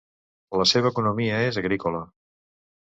La seva economia és agrícola.